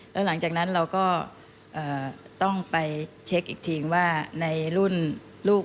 แล้วหลังจากนั้นเราก็ต้องไปเช็คอีกทีว่าในรุ่นลูก